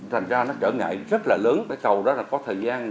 rằng ra nó trở ngại rất là lớn cầu đó có thời gian